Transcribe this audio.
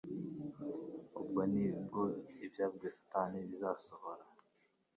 Ubwo nibwo ibyabwiwe Satani bizasohora